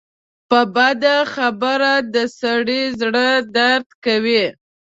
په بده خبره د سړي زړۀ دړد کوي